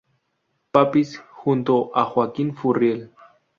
Papis", junto a Joaquin Furriel.